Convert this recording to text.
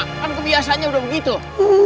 kan kebiasanya udah begitu